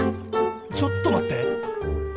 ちょっと待って。